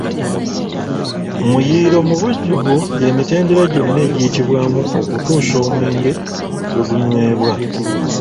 Muyiiro mu bujjuvu gy’emitendera gyonna egiyitibwamu okutuusa omwenge lwe gunywebwa.